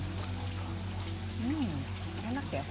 hmm enak ya